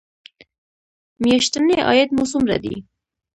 میاشتنی عاید مو څومره دی؟